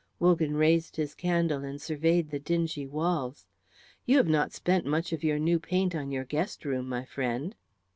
Wogan raised his candle and surveyed the dingy walls. "You have not spent much of your new paint on your guest room, my friend."